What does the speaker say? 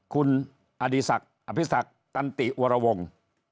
คุณอฤษัคลตันติวรวง